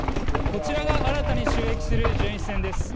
こちらは新たに就役する巡視船です。